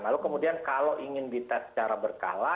lalu kemudian kalau ingin dites secara berkala